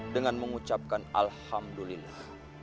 dengan mengucapkan alhamdulillah